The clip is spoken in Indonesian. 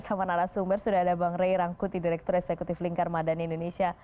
kita bahas bersama narasumber sudah ada bang ray rangkuti direktur eksekutif lingkar madan indonesia